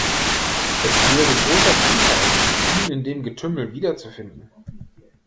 Es wäre großer Zufall, ihn in dem Getümmel wiederzufinden.